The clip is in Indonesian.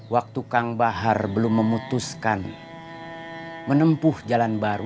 waktu kang bahar belum memutuskan menempuh jalan baru